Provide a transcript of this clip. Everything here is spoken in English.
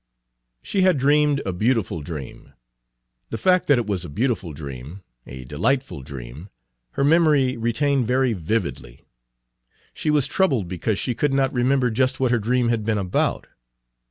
She had dreamed a beautiful dream. The fact that it was a beautiful dream, a delightful dream, her memory retained very vividly. She was troubled because she could not remember just what her dream had been about.